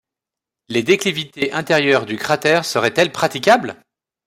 Les déclivités intérieures du cratère seraient-elles praticables?